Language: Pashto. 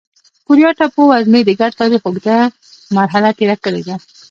کوریا ټاپو وزمې د ګډ تاریخ اوږده مرحله تېره کړې ده.